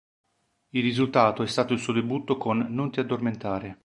Il risultato è stato il suo debutto con "Non ti addormentare".